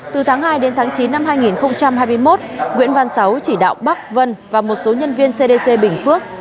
từ tháng hai đến tháng chín năm hai nghìn hai mươi một nguyễn văn sáu chỉ đạo bắc vân và một số nhân viên cdc bình phước